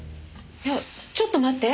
いやちょっと待って。